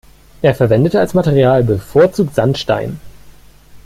Er verwendete als Material bevorzugt Sandstein.